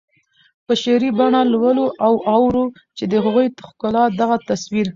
په شعري بڼه لولو او اورو چې د هغوی د ښکلا دغه تصویر